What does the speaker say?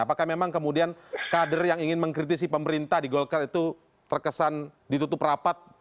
apakah memang kemudian kader yang ingin mengkritisi pemerintah di golkar itu terkesan ditutup rapat